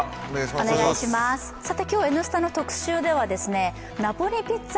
今日、「Ｎスタ」の特集ではナポリピッツァ